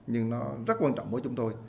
nhưng nó rất quan trọng